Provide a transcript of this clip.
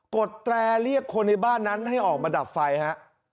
ดแตรเรียกคนในบ้านนั้นให้ออกมาดับไฟฮะ